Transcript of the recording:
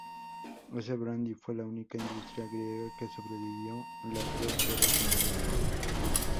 Ese brandy fue la única industria griega que sobrevivió las dos guerras mundiales.